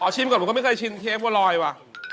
อ๋อชิมก่อนผมก็ไม่เคยชิ้นเค้กบัวรอยว่ะ